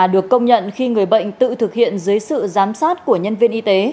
được công nhận khi người bệnh tự thực hiện dưới sự giám sát của nhân viên y tế